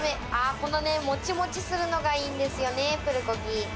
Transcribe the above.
このモチモチするのがいいんですよね、プルコギ。